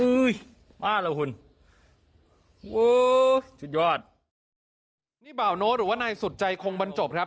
โอ้ยบ้าละคุณโอ้ยสุดยอดนี่บ่าวเนอะหรือว่านายสุดใจคงบันจบครับ